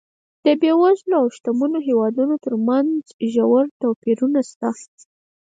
د بېوزلو او شتمنو هېوادونو ترمنځ ژور توپیرونه شته.